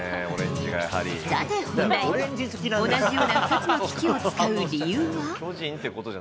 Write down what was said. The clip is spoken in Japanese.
さて本題、同じような２つの機器を使う理由は。